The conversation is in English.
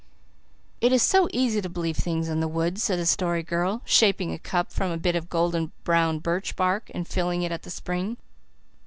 "It's so easy to believe things in the woods," said the Story Girl, shaping a cup from a bit of golden brown birch bark and filling it at the spring.